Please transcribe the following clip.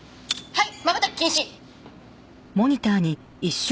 はい！